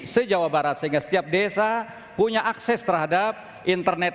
se jawa barat sehingga setiap desa punya akses terhadap internet